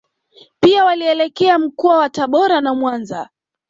Pia walielekea mkoa wa Tabora na Mwanza